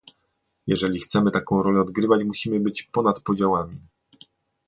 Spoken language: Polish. Jeżeli chcemy taką rolę odgrywać, musimy być ponad podziałami